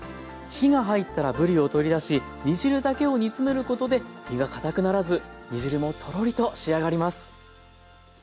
火が入ったらぶりを取り出し煮汁だけを煮詰めることで身が堅くならず煮汁もとろりと仕上がります。